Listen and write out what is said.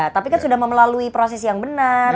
tapi kan sudah memelalui proses yang benar